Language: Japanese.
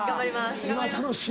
今楽しい？